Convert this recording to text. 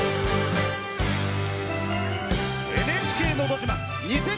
「ＮＨＫのど自慢」